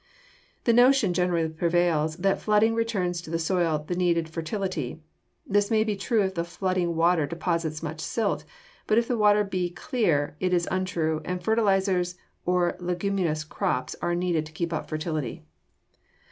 The notion generally prevails that flooding returns to the soil the needed fertility. This may be true if the flooding water deposits much silt, but if the water be clear it is untrue, and fertilizers or leguminous crops are needed to keep up fertility.